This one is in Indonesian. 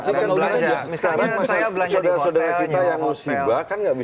misalnya saya belanja di hotel